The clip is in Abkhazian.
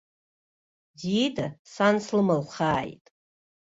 Дида, сан слымылхааит!